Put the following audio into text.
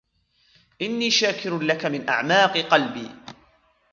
إني شاكر لك من أعماق قلبي.